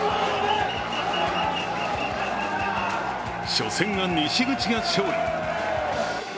初戦は西口が勝利。